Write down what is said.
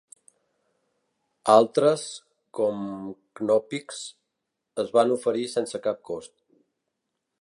Altres, com Knoppix, es van oferir sense cap cost.